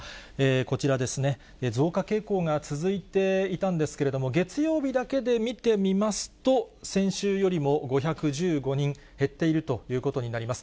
こちらですね、増加傾向が続いていたんですけれども、月曜日だけで見てみますと、先週よりも５１５人減っているということになります。